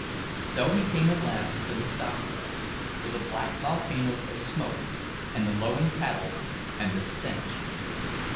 So he came at last to the stockyards, to the black volcanoes of smoke and the lowing cattle and the stench.